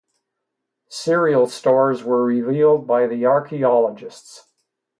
Cereal stores were revealed by the archeologists.